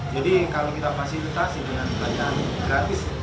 jadi kalau kita fasilitasi dengan bacaan gratis